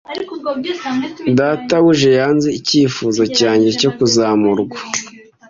Databuja yanze icyifuzo cyanjye cyo kuzamurwa.